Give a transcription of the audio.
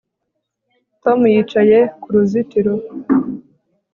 Tom yicaye ku ruzitiro